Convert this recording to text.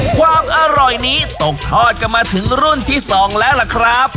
ความอร่อยนี้ตกทอดกันมาถึงรุ่นที่๒แล้วล่ะครับ